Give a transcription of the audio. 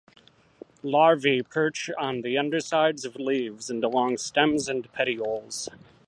Larvae perch on the undersides of leaves and along stems and petioles.